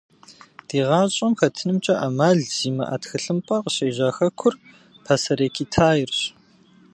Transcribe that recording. Ди гъащӏэм хэтынымкӏэ ӏэмал зимыӏэ тхылъымпӏэр къыщежьа хэкур – Пасэрей Китаирщ.